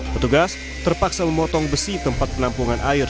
petugas terpaksa memotong besi tempat penampungan air